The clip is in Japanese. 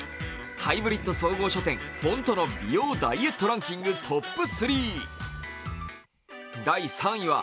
ハイブリッド総合書店ｈｏｎｔｏの美容・ダイエットランキングのトップ３。